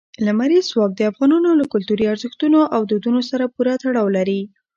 لمریز ځواک د افغانانو له کلتوري ارزښتونو او دودونو سره پوره تړاو لري.